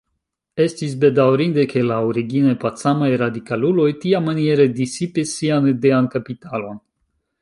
Estas bedaŭrinde, ke la origine pacamaj radikaluloj tiamaniere disipis sian idean kapitalon.